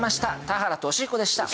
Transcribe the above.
田原俊彦でした。